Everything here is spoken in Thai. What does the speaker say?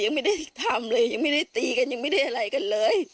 ยังไม่ได้ทำเลยยังไม่ได้ตีกันยังไม่ได้อะไรกันเลย